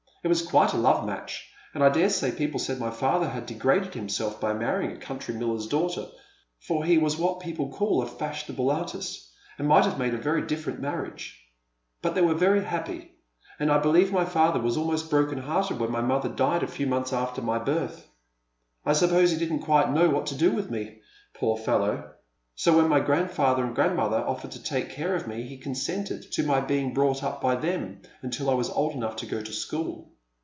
It was quite a love match, and I dare say people said my father had degraded himself by marry ing a country miller's daughter, for he was what people call a fashionable artist, and might have made a very different marriage. But they were very happy, and I believe my father was almost broken hearted when my mother died a few months after my birth. I suppose he didn't quite know what to do with me, poor fellow, so when my grandfather and grandmother offered to take care of me he consented to my being brought up by them until I was old enough to go to school.